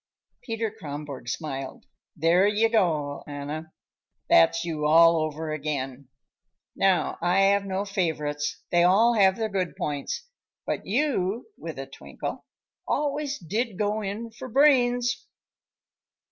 Peter Kronborg smiled. "There you go, Anna. That's you all over again. Now, I have no favorites; they all have their good points. But you," with a twinkle, "always did go in for brains."